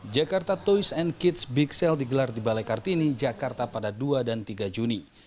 jakarta toys and kids big sale digelar di balai kartini jakarta pada dua dan tiga juni